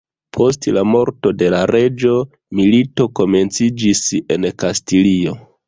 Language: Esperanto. Post la morto de la reĝo, milito komenciĝis en Kastilio.